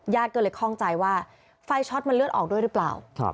ก็เลยคล่องใจว่าไฟช็อตมันเลือดออกด้วยหรือเปล่า